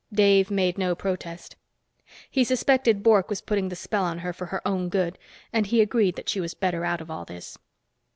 Dave made no protest. He suspected Bork was putting the spell on her for her own good, and he agreed that she was better out of all this.